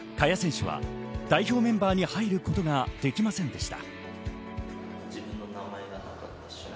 萱選手は代表選手に入ることはできませんでした。